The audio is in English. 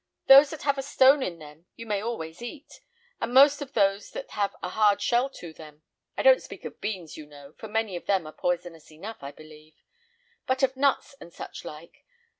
"Those that have a stone in them you may always eat, and most of those that have a hard shell to them. I don't speak of beans, you know, for many of them are poisonous enough, I believe; but of nuts and such like.